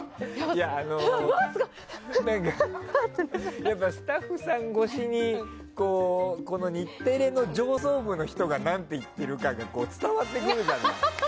いや、スタッフさん越しに日テレの上層部の人がなんて言っているかが伝わってくるじゃない。